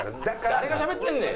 誰がしゃべってんねん！